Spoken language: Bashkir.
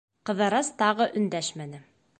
Ҡыҙырас тағы өндәшмәне.